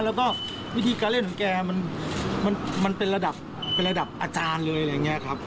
แล้วก็วิธีการเล่นของแกมันเป็นระดับเป็นระดับอาจารย์เลยอะไรอย่างนี้ครับ